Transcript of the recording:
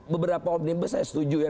beberapa omnibus saya setuju ya